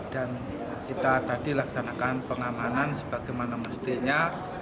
dan kita tadi laksanakan pengamanan sebagaimana mestinya